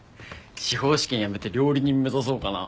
司法試験やめて料理人目指そうかな。